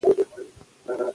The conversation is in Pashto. افغانستان جګ جګ غرونه لری.